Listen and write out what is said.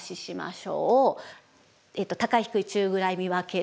高い低い中ぐらい見分ける。